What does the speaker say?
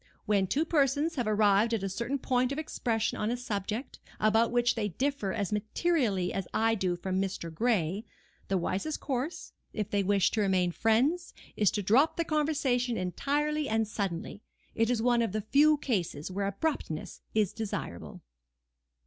When two persons have arrived at a certain point of expression on a subject, about which they differ as materially as I do from Mr. Gray, the wisest course, if they wish to remain friends, is to drop the conversation entirely and suddenly. It is one of the few cases where abruptness is desirable."